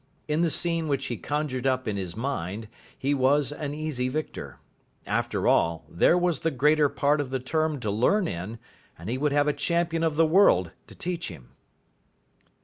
In the scene which he conjured up in his mind he was an easy victor. After all, there was the greater part of the term to learn in, and he would have a Champion of the World to teach him.